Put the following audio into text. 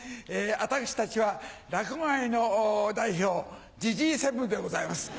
私たちは落語界の代表「ジジイ７」でございます。